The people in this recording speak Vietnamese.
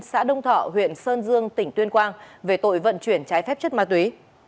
xã đông thọ huyện sơn dương tỉnh tuyên quang về tội vận chuyển trái phép chất ma túy